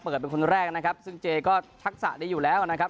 เป็นคนแรกนะครับซึ่งเจก็ทักษะดีอยู่แล้วนะครับ